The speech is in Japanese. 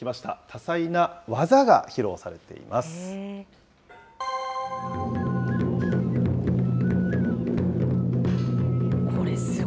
多彩な技が披露されています。